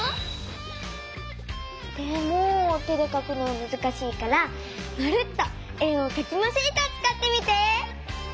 でも手でかくのはむずしいから「まるっと円をかきまシート」をつかってみて！